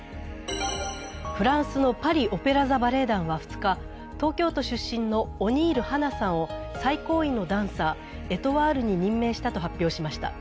フランスのパリ・オペラ座バレエ団は２日、東京都出身のオニール八菜さんを最高位のダンサー、エトワールに任命したと発表しました。